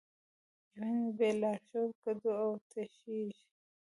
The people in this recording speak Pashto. ژوند بېلارښوده ګډوډ او تشېږي.